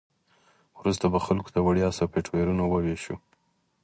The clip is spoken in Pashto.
وروسته به خلکو ته وړیا سافټویرونه وویشو